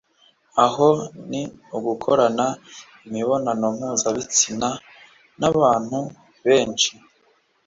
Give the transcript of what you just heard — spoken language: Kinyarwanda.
aha ni ugukorana imibonano mpuzabitsina n'abantu benshi.